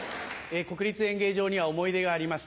国立演芸場には思い出があります。